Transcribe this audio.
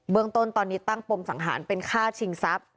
เมืองต้นตอนนี้ตั้งปมสังหารเป็นค่าชิงทรัพย์